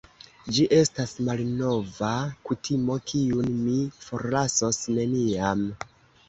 Ĝi estas malnova kutimo, kiun mi forlasos neniam.